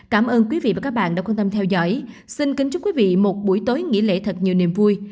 cảm ơn quý vị và các bạn đã quan tâm theo dõi xin kính chúc quý vị một buổi tối nghỉ lễ thật nhiều niềm vui